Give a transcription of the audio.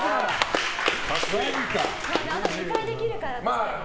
あと２回できるからね。